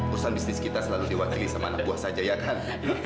urusan bisnis kita selalu diwakili sama anak buah saja ya kan